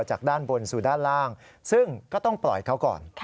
จากด้านบนสู่ด้านล่างซึ่งก็ต้องปล่อยเขาก่อน